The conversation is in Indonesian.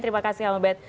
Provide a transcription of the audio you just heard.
terima kasih ambed